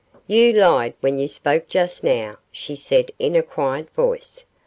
'You lied when you spoke just now,' she said in a quiet voice.